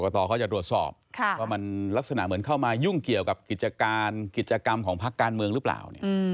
ตอเขาจะตรวจสอบว่ามันลักษณะเหมือนเข้ามายุ่งเกี่ยวกับกิจการกิจกรรมของพักการเมืองหรือเปล่า